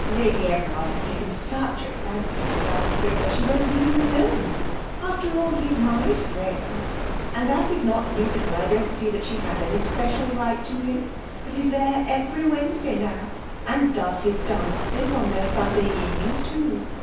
Lady Everard has taken such a fancy to young Cricker; she won't leave him alone. After all he's my friend, and as he's not musical I don't see that she has any special right to him; but he's there every Wednesday now, and does his dances on their Sunday evenings too.